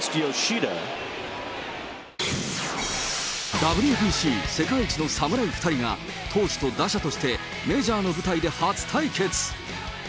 ＷＢＣ世界一の侍２人が投手と打者としてメジャーの舞台で初対決。